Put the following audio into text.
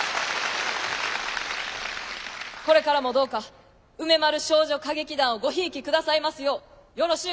これからもどうか梅丸少女歌劇団をごひいきくださいますようよろしゅう